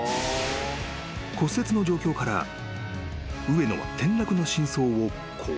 ［骨折の状況から上野は転落の真相をこう考えた］